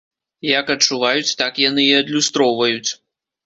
Як адчуваюць, так яны і адлюстроўваюць.